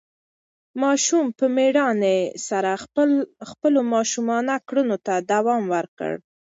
ماشوم په مېړانې سره خپلو ماشومانه کړنو ته دوام ورکړ.